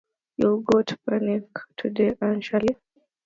You’ll go to no picnic today, Anne Shirley.